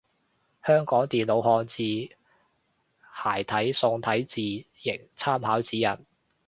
香港電腦漢字楷體宋體字形參考指引